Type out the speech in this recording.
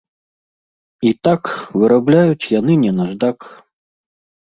І так, вырабляюць яны не наждак.